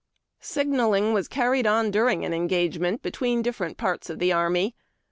Signalling was carried on during an engagement between different parts of the army.